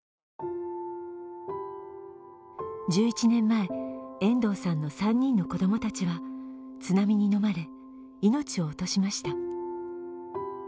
１１年前、遠藤さんの３人の子供たちは津波にのまれ、命を落としました。